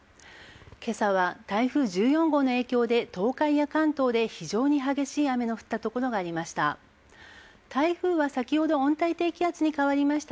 今朝は台風１４号の影響で東海や関東で非常に激しい雨の降った所がありました。